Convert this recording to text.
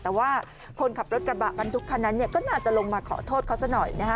แต่ว่าคนขับรถกระบะบรรทุกคันนั้นก็น่าจะลงมาขอโทษเขาซะหน่อยนะฮะ